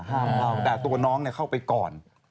ห้ามเข้าแต่ตัวน้องเข้าไปก่อน